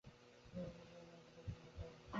নীলু বলল, আচ্ছা, এই বাড়িতে থেকে গেলে কেমন হয়?